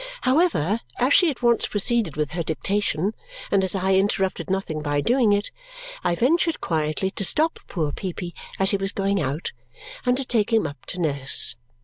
However, as she at once proceeded with her dictation, and as I interrupted nothing by doing it, I ventured quietly to stop poor Peepy as he was going out and to take him up to nurse.